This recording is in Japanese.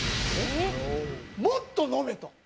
もっとのめと。